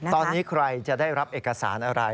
ตอนนี้ใครจะได้รับเอกสารอะไร